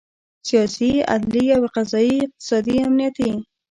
سیاسي، عدلي او قضایي، اقتصادي، امنیتي